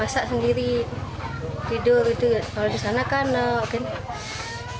perusahaan perderbank victory affirming lezat dan pisau milik